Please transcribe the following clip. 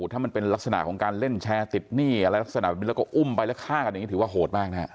ถ้ามันเป็นลักษณะของการเล่นแชร์ติดหนี้อะไรลักษณะแบบนี้แล้วก็อุ้มไปแล้วฆ่ากันอย่างนี้ถือว่าโหดมากนะฮะ